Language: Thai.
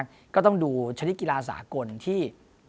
ก็ต้องดูชนิดกีฬาสากลที่